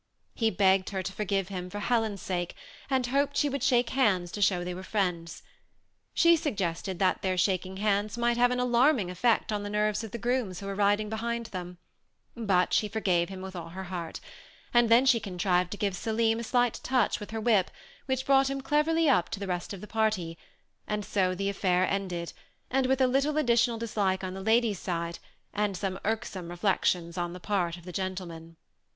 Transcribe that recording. He begged her to forgive him, for Helen's sake, and hoped she would shake hands to show they were friends. She suggested that their shaking hands might have an alarming effect on the nerves of the grooms who were riding behind them, but she forgave him with all her heart ; and then she contrived to gi^ Selim a slight touch with her whip, which brought him cleverly up to the rest of the party ; and so the affair ended, with a little additional dislike on the lady's side, and some irksome recollections on the part of the gentleman.